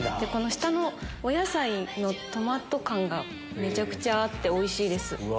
下のお野菜のトマト感がめちゃくちゃあっておいしいです。